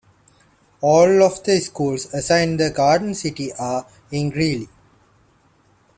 All of the schools assigned to Garden City are in Greeley.